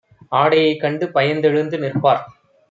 ஆடையைக் கண்டுபயந் தெழுந்து நிற்பார்